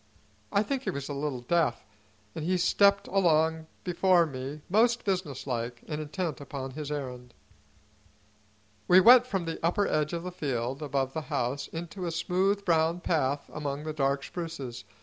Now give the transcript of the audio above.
I think he was a little deaf, and he stepped along before me most businesslike and intent upon his errand. We went from the upper edge of the field above the house into a smooth, brown path among the dark spruces.